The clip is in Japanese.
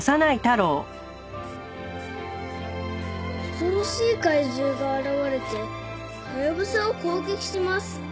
「恐ろしい怪獣が現れてハヤブサを攻撃します」